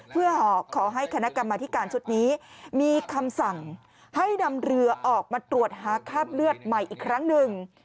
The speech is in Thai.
เพื่อขอให้คณะกรรมธิการชุดนี้มีคำสั่งให้นำเรือออกมาตรวจหาคราบเลือดใหม่อีกครั้งหนึ่ง